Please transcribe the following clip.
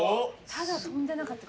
ただ跳んでなかった。